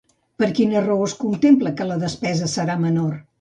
Per quina raó es contempla que la despesa serà menor?